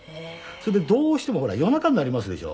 それでどうしてもほら夜中になりますでしょ